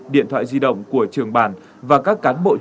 điện thoại di động của trường bản và các cán bộ chiến dịch